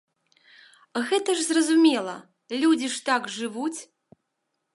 Гэта ж зразумела, людзі ж так жывуць.